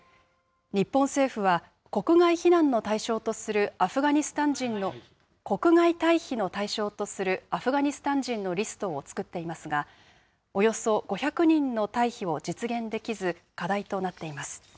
日本政府は、国外退避の対象とするアフガニスタン人のリストを作っていますが、およそ５００人の退避を実現できず、課題となっています。